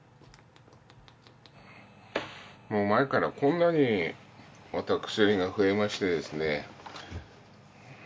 もう前からこんなにまた薬が増えましてですね。